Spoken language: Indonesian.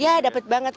ya dapet banget